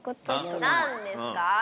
何ですか？